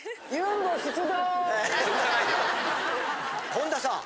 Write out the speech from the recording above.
本田さん